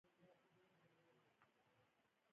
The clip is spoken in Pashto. ټپي ته شفا ورکول د انسانیت نښه ده.